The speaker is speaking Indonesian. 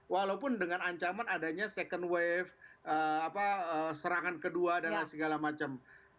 walaupun dengan ancaman adanya second wave serangan kedua dan segala macam